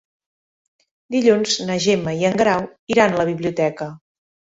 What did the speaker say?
Dilluns na Gemma i en Guerau iran a la biblioteca.